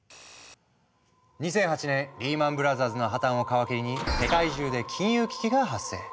２００８年リーマン・ブラザーズの破綻を皮切りに世界中で金融危機が発生。